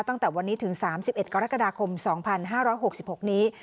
ตั้งแต่วันนี้ถึง๓๑กรกฎาคม๒๕๖๖นี้